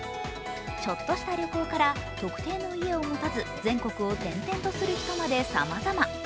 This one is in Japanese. ちょっとした旅行から特定の家を持たず、全国を転々とする人までさまざま。